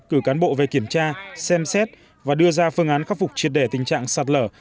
cử cán bộ về kiểm tra xem xét và đưa ra phương án khắc phục triệt đề tình trạng sạt lở